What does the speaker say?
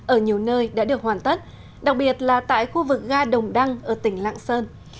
ở nhiều nơi đã được hoàn tất đặc biệt là tại khu vực ga đồng đăng ở tỉnh lạng sơn